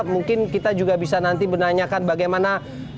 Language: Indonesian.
mungkin kita juga bisa nanti menanyakan bagaimana